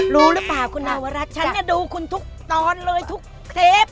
รู้หรือเปล่าคุณนาวรัฐฉันเนี่ยดูคุณทุกตอนเลยทุกเคป